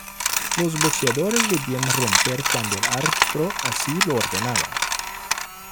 Los boxeadores debían romper cuando el árbitro así lo ordenaba.